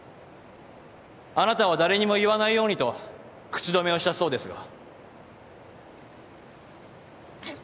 あなたは誰にも言わないようにと口止めをしたそうですが。